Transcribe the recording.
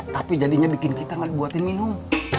tapi jadinya bikin kita gak dibuatin minum